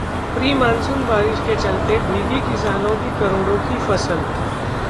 pre monsoon बारिश के चलते भीगी किसानों की करोड़ों की फसल